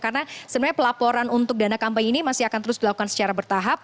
karena sebenarnya pelaporan untuk dana kampanye ini masih akan terus dilakukan secara bertahap